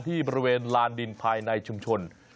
ที่บริเวณลานดินภายในชุมชน